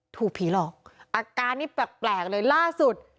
ถูกผีหลอกอาการนี้แปลกเลยล่าสุด